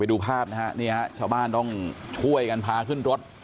ไปดูภาพนะชาวบ้านต้องช่วยกันพาขึ้นรถ